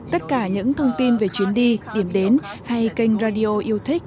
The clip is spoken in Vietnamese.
tất cả những thông tin về chuyến đi điểm đến hay kênh radio yêu thích